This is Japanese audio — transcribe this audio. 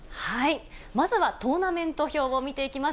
まずはトーナメント表を見ていきます。